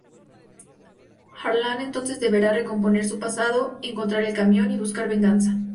Harlan entonces deberá recomponer su pasado, encontrar el camión y buscar venganza.